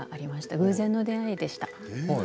偶然の出会いでした。